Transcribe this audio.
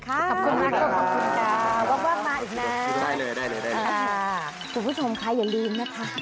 คุณผู้ชมค่ะอย่าลืมนะคะ